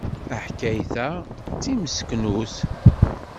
Taḥkayt-a d timseknut.